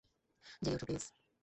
জেগে ওঠো, প্লিজ।